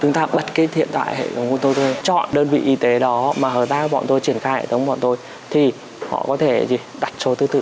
chúng ta bật cái hiện tại hệ thống của tôi chọn đơn vị y tế đó mà hợp tác bọn tôi triển khai hệ thống bọn tôi thì họ có thể đặt số thứ tự